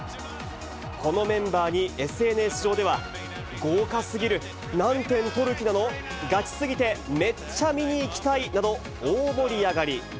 このメンバーに、ＳＮＳ上では、豪華すぎる、何点取る気なの、ガチすぎて、めっちゃ見に行きたいなど、大盛り上がり。